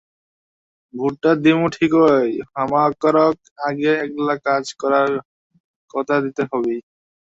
ভোটটা দিমো ঠিকই, হামাকরক আগে এগলা কাজ করার কতা দিতে হবি।